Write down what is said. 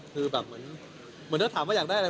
คือแบบเหมือนถ้าถามว่าอยากได้อะไร